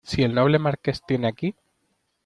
si el noble Marqués tiene aquí...